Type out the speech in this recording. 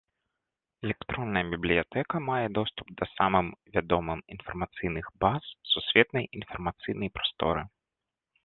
Электронная бібліятэка мае доступ да самым вядомым інфармацыйных баз сусветнай інфармацыйнай прасторы.